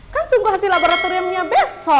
kan tunggu hasil laboratoriumnya besok